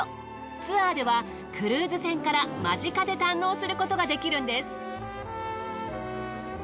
ツアーではクルーズ船から間近で堪能することができるんです。